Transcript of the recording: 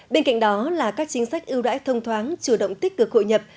bên cạnh đó là các chính sách ưu đãi thông thoáng chủ động tích cực hội nhập